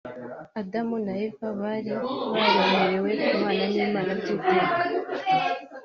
Adamu na Eva bari bararemewe kubana n’Imana by’iteka